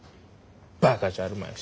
バカじゃあるまいし。